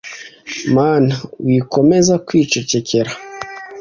mana, wikomeza kwicecekera